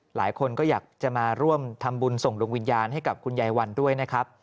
หลายคนก็อยากจะมาร่วมทำบุญส่งดวงวิญญาณให้กับคุณยายวันด้วยนะครับ